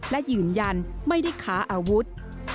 และยืนยันไม่ได้ค้าอาวุธ